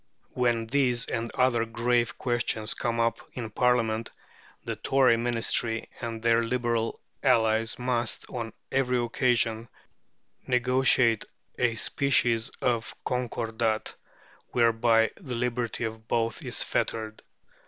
When these and other grave questions come up in Parliament, the Tory Ministry and their Liberal allies must, on every occasion, negotiate a species of concordat, whereby the liberty of both is fettered.